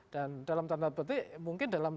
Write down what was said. dan dalam tanda petik mungkin dalam kalimat